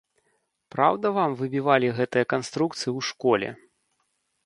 Праўда вам выбівалі гэтыя канструкцыі ў школе?